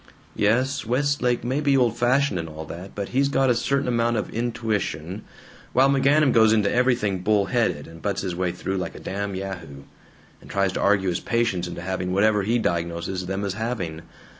"Yes, Westlake may be old fashioned and all that, but he's got a certain amount of intuition, while McGanum goes into everything bull headed, and butts his way through like a damn yahoo, and tries to argue his patients into having whatever he diagnoses them as having!